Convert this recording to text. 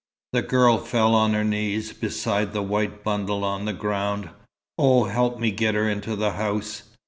The girl fell on her knees beside the white bundle on the ground. "Oh, help me get her into the house."